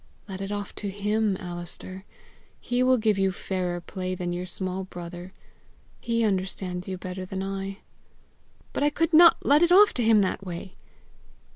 "Let it off to him, Alister; he will give you fairer play than your small brother; he understands you better than I." "But I could not let it off to him that way!"